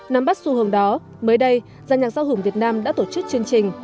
năm bắt xu hướng đó mới đây giang nhạc giao hưởng việt nam đã tổ chức chương trình